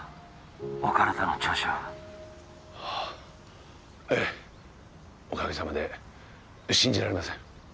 お体の調子はああええおかげさまで信じられません